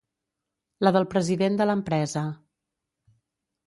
La del president de l’empresa.